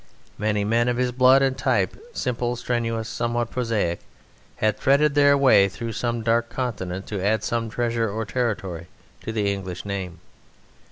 Many men of his blood and type simple, strenuous, somewhat prosaic had threaded their way through some dark continent to add some treasure or territory to the English name.